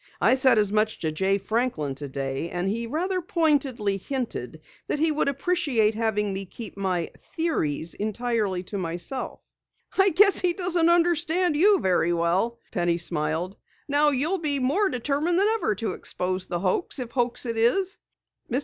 I said as much to Jay Franklin today and he rather pointedly hinted that he would appreciate having me keep my theories entirely to myself." "I guess he doesn't understand you very well," Penny smiled. "Now you'll be more determined than ever to expose the hoax if hoax it is." Mr.